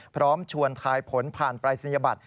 พร้อมชวนทายผลผ่านปรายศนียบัตร